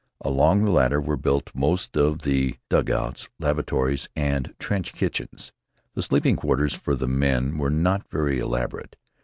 Along the latter were built most of the dugouts, lavatories, and trench kitchens. The sleeping quarters for the men were not very elaborate.